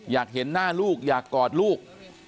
อยากเห็นหน้าลูกอยากกอดลูก